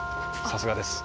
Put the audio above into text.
さすがです。